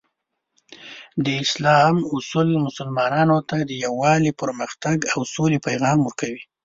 د اسلام اصول مسلمانانو ته د یووالي، پرمختګ، او سولې پیغام ورکوي.